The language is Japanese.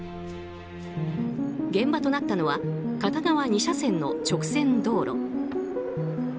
現場となったのは片側２車線の直線道路。